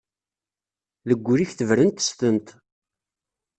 Deg wul-ik tebren testent.